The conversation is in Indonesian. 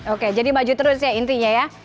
oke jadi maju terus ya intinya ya